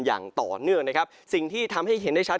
อย่างต่อเนื่องนะครับสิ่งที่ทำให้เห็นได้ชัด